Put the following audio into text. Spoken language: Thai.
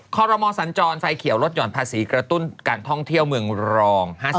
ขอรมอสัญจรไฟเขียวลดหย่อนภาษีกระตุ้นการท่องเที่ยวเมืองรอง๕๐